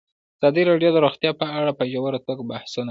ازادي راډیو د روغتیا په اړه په ژوره توګه بحثونه کړي.